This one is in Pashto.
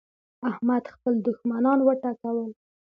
احمد خپل دوښمنان وټکول.